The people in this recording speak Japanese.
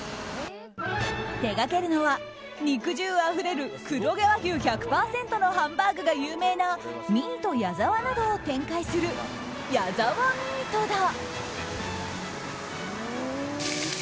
手がけるのは肉汁あふれる黒毛和牛１００％のハンバーグが有名なミート矢澤などを展開するヤザワミートだ。